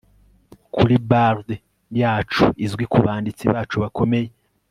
kuri bard yacu izwi, kubanditsi bacu bakomeye